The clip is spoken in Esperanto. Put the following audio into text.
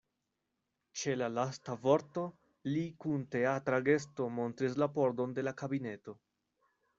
Ĉe la lasta vorto li kun teatra gesto montris la pordon de la kabineto.